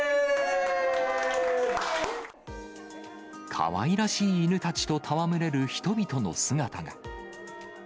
かわいらしい犬たちと戯れる人々の姿が。